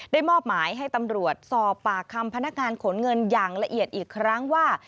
มอบหมายให้ตำรวจสอบปากคำพนักงานขนเงินอย่างละเอียดอีกครั้งว่า